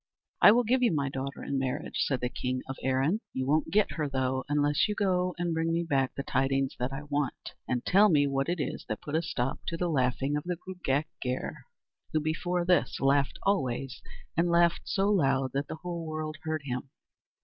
"I will give you my daughter in marriage," said the king of Erin; "you won't get her, though, unless you go and bring me back the tidings that I want, and tell me what it is that put a stop to the laughing of the Gruagach Gaire, who before this laughed always, and laughed so loud that the whole world heard him.